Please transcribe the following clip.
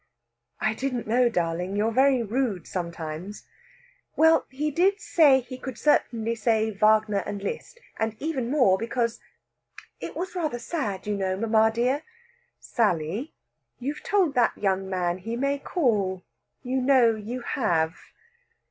"I didn't know, darling. You're very rude sometimes." "Well, he said he could certainly say Wagner and Liszt, and even more, because it was rather sad, you know, mamma dear " "Sally, you've told that young man he may call; you know you have!"